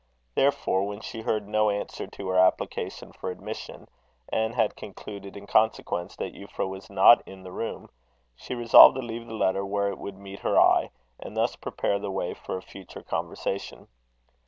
Therefore, when she heard no answer to her application for admission, and had concluded, in consequence, that Euphra was not in the room, she resolved to leave the letter where it would meet her eye, and thus prepare the way for a future conversation.